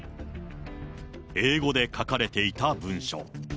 英語で書かれていた文書。